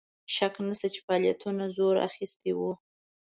شک نسته چې فعالیتونو زور اخیستی وو.